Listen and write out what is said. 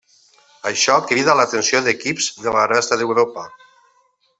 Això crida l'atenció d'equips de la resta d'Europa.